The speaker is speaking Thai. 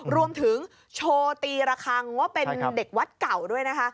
รวมถึงโชว์ตีระคังว่าเป็นเด็กวัดเก่าด้วยนะคะ